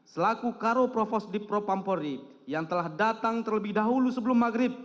selaku karo profos dipropampori yang telah datang terlebih dahulu sebelum maghrib